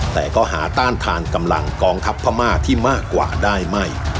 แต่ก็หาต้านทานกำลังกองทัพพม่าที่มากกว่าได้ไม่